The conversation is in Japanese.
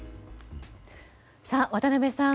渡辺さん